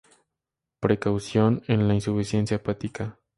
Precaución en la insuficiencia hepática.